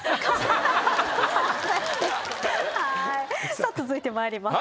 さあ続いて参ります。